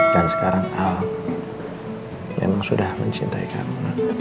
dan sekarang al memang sudah mencintai kamu